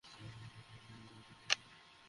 পরে ওকে প্রপোজ করেছিলাম।